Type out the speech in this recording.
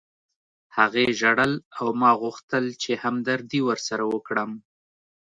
هغې ژړل او ما غوښتل چې همدردي ورسره وکړم